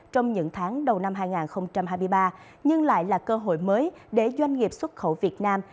trong những tháng đầu năm hai nghìn hai mươi ba nhưng lại là cơ hội mới để doanh nghiệp xuất khẩu việt nam